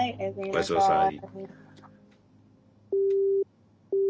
おやすみなさい。